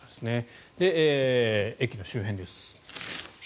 駅の周辺です。